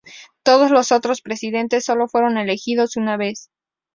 Todos los otros presidentes solo fueron elegidos una vez.